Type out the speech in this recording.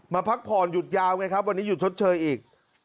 พักผ่อนหยุดยาวไงครับวันนี้หยุดชดเชยอีก